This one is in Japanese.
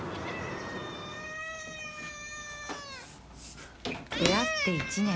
出会って１年